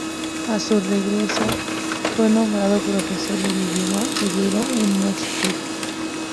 A su regreso, fue nombrado profesor de idioma hebreo en Oxford.